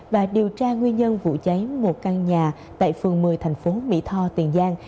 và điều tra nguyên nhân vụ cháy một căn nhà tại phường một mươi tp mỹ tho tiền giang